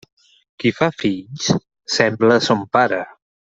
Qui fa fills sembla a son pare.